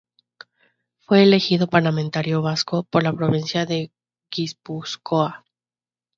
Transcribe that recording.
Fue elegido parlamentario vasco por la provincia de Guipúzcoa.